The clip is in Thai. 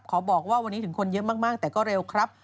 บอกว่าวันนี้ถึงคนเยอะมากแต่ก็เร็วครับ